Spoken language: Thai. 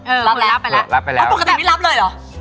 เออรับไปแล้วรับไปแล้วเออปกติไม่รับเลยเหรอ